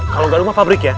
kalau nggak rumah pabrik ya